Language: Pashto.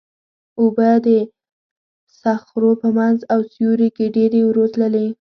اوبه د صخرو په منځ او سیوري کې ډېرې ورو تللې.